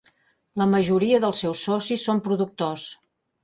La majoria dels seus socis són productors.